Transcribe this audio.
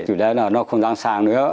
chủ đề là nó không đáng sang nữa